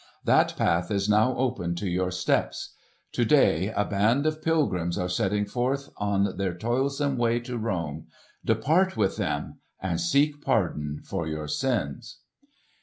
That path is now open to your steps. To day a band of pilgrims are setting forth on their toilsome way to Rome. Depart with them and seek pardon for your sins."